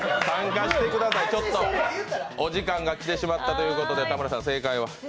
参加してください、ちょっとお時間が来てしまったということで田村さん、正解を。